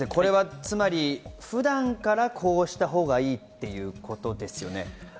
普段から、こうしたほうがいいということですよね？